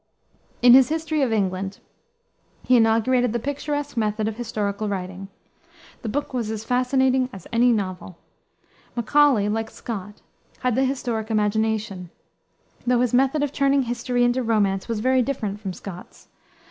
In his History of England, he inaugurated the picturesque method of historical writing. The book was as fascinating as any novel. Macaulay, like Scott, had the historic imagination, though his method of turning history into romance was very different from Scott's.